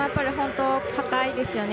固いですよね。